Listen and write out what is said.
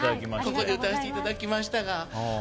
ここで歌わせていただきましたが。